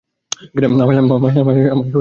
আমায় ধোঁকা দেবে না।